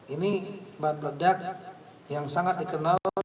ini bahan peledak yang sangat dikenal